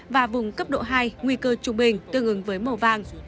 và vùng cấp độ hai nguy cơ trung bình tương ứng với màu vàng